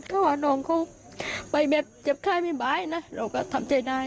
ก็ว่าน้องเขาไปเจ็บใคร้ไม่บายนะเราก็ทำใจดาย